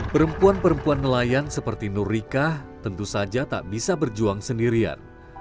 perempuan perempuan nelayan seperti nur rika tentu saja tak bisa berjuang sendirian